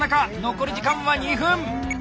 残り時間は２分！